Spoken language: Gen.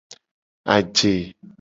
Aje.